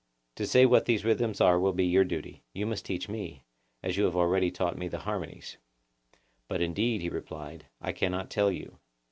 To say what these rhythms are will be your duty—you must teach me them, as you have already taught me the harmonies. But, indeed, he replied, I cannot tell you.